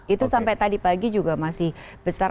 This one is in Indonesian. itu sampai tadi pagi juga masih besar